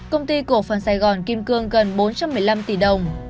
công ty cổ phần sài gòn kim cương gần bốn trăm một mươi năm tỷ đồng